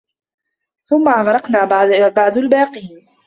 ثُمَّ أَغرَقنا بَعدُ الباقينَ